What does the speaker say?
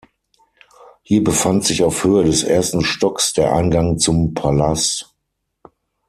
Hier befand sich auf Höhe des ersten Stocks der Eingang zum Palas.